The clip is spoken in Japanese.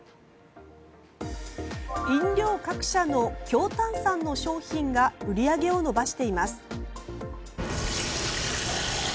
飲料各社の強炭酸の商品が売り上げを伸ばしています。